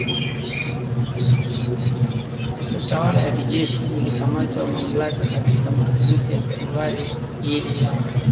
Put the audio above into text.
Utawala wa kijeshi ulikamata mamlaka katika mapinduzi ya Januari dhidi ya